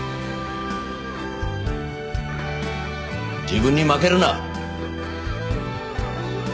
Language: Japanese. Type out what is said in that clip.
自分に負けるな！